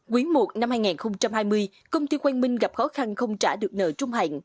quý i năm hai nghìn hai mươi công ty quang minh gặp khó khăn không trả được nợ trung hạn